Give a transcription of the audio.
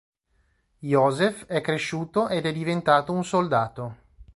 Józef è cresciuto ed è diventato un soldato.